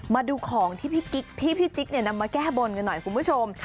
มาดูของที่พี่จิ๊กนำมาแก้บนกันหน่อยคุณผู้ชม